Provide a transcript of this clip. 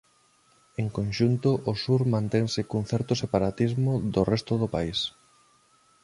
En conxunto o Sur mantense cun certo separatismo do resto do país.